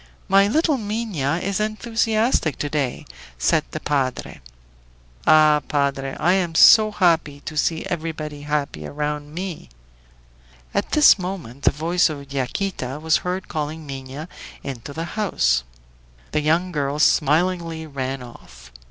"My little Minha is enthusiastic to day," said the padre. "Ah, padre! I am so happy to see everybody happy around me!" At this moment the voice of Yaquita was heard calling Minha into the house. The young girl smilingly ran off.